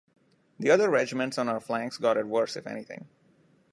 The other Regiments on our flanks got it worse if anything.